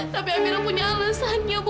tapi amira punya alasannya bu